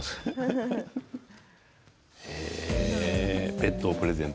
ベッドをプレゼント。